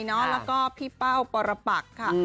แล้วก็พี่เป้าปรปักค่ะ